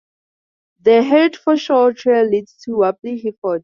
The Herefordshire Trail leads to Wapley Hillfort.